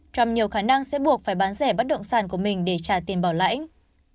trong nhiều khả năng sẽ buộc phải bán rẻ bất động sản của mình để trả tiền bảo lãnh